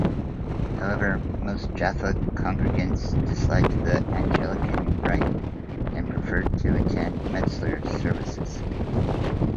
However, most Jaffa congregants disliked the Anglican Rite and preferred to attend Metzler's services.